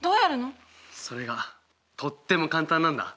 それがとっても簡単なんだ。